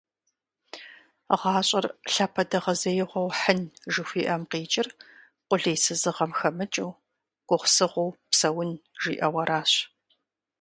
«ГъащӀэр лъапэдэгъэзеигъуэу хьын» жыхуиӏэм къикӏыр къулейсызыгъэм хэмыкӀыу, гугъусыгъуу псэун, жиӏэу аращ.